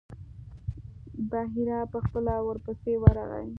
بحیرا په خپله ورپسې ورغی.